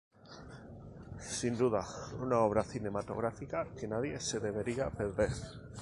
Sin duda una obra cinematográfica que nadie se debería perder.